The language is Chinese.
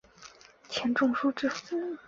钱钟书之父钱基博是其孪生兄弟。